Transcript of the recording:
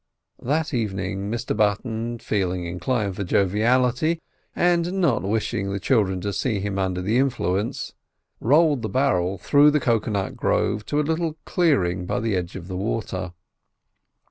That evening, Mr Button feeling inclined for joviality, and not wishing the children to see him under the influence, rolled the barrel through the cocoa nut grove to a little clearing by the edge of the water.